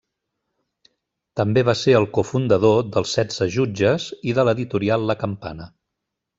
També va ser el cofundador d'Els Setze Jutges i de l'editorial La Campana.